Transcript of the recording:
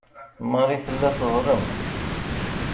Marie tella teḍlem.